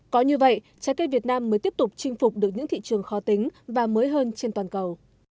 có như vậy trái cây việt nam mới tiếp tục chinh phục được những thị trường khó tính và mới hơn trên toàn cầu